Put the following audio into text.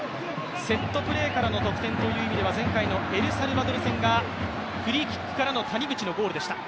セットプレーからの得点という意味では前回のエルサルバドル戦がフリーキックからの谷口のゴールでした。